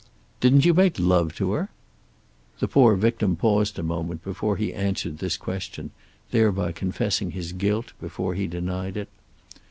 "Didn't you make love to her?" The poor victim paused a moment before he answered this question, thereby confessing his guilt before he denied it.